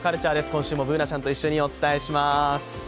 今週もＢｏｏｎａちゃんと一緒にお伝えします。